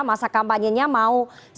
masa kampanye nya mau sesuai keinginan